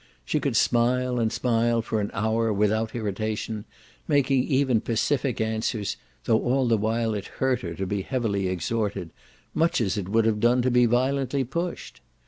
She could smile and smile for an hour without irritation, making even pacific answers, though all the while it hurt her to be heavily exhorted, much as it would have done to be violently pushed.